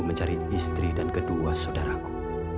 mencari istri dan kedua saudaraku